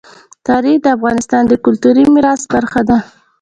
تاریخ د افغانستان د کلتوري میراث برخه ده.